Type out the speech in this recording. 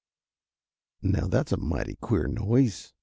] "Now that's a mighty queer noise."